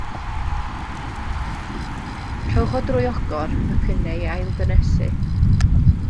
Rhowch o drwy ogor, ac yna ei ail-gynhesu.